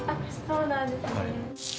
そうなんですね。